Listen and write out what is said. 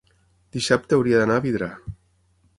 dissabte hauria d'anar a Vidrà.